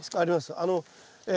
あります。